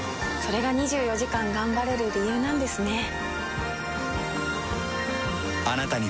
れが２４時間頑張れる理由なんですね。